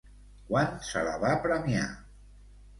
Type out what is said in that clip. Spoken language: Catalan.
Quan se la va premiar?